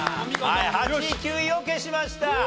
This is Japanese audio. ８位９位を消しました。